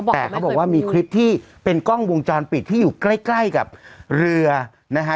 แต่เขาบอกว่ามีคลิปที่เป็นกล้องวงจรปิดที่อยู่ใกล้กับเรือนะฮะ